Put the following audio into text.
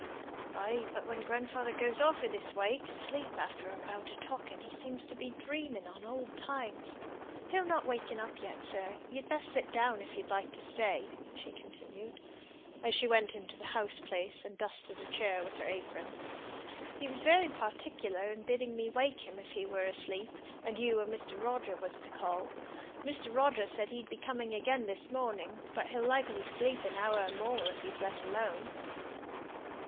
"Ay, but when grandfather goes off i' this way to sleep after a bout of talking he seems to be dreaming on old times. He'll not waken up yet, sir; you'd best sit down if you'd like to stay," she continued, as she went into the house place and dusted a chair with her apron. "He was very particular in bidding me wake him if he were asleep, and you or Mr. Roger was to call. Mr. Roger said he'd be coming again this morning but he'll likely sleep an hour or more, if he's let alone."